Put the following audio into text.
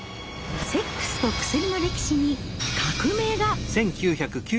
セックスと薬の歴史に革命が。